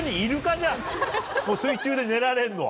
水中で寝られるのは。